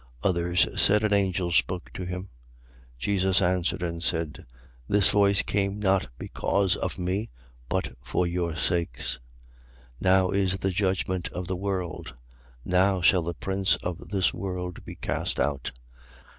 Others said: An angel spoke to him. 12:30. Jesus answered and said: This voice came not because of me, but for your sakes. 12:31. Now is the judgment of the world: now shall the prince of this world be cast out.